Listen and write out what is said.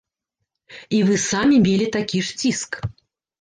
І вы самі мелі такі ж ціск.